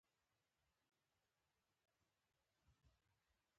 زه د ټک ټاک نوي غږونه کاروم.